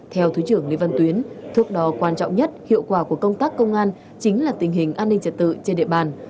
theo thứ trưởng lê văn tuyến thuốc đó quan trọng nhất hiệu quả của công tác công an chính là tình hình an ninh trả tự trên địa bàn